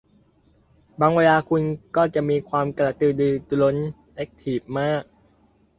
บางเวลาคุณก็จะมีความกระตือรือร้นแอ็คทีฟมาก